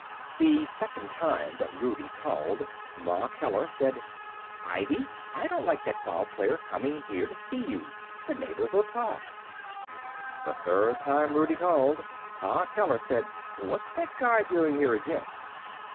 The second time that Rudie called, Ma Keller said: "Ivy, I don't like that ball player coming here to see you. The neighbors'll talk." The third time Rudie called, Pa Keller said: "What's that guy doing here again?"